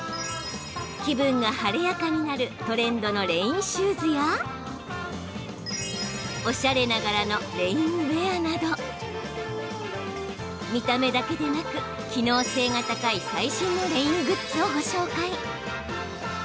気分が晴れやかになるトレンドのレインシューズやおしゃれな柄のレインウエアなど見た目だけでなく、機能性が高い最新のレイングッズをご紹介！